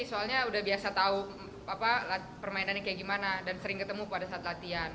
soalnya udah biasa tahu permainannya kayak gimana dan sering ketemu pada saat latihan